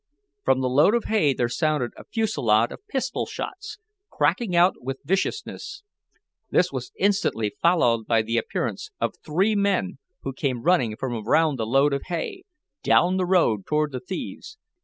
From the load of hay there sounded a fusillade of pistol shots, cracking out with viciousness. This was instantly followed by the appearance of three men who came running from around the load of hay, down the road toward the thieves.